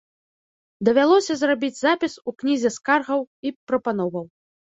Давялося зрабіць запіс у кнізе скаргаў і прапановаў.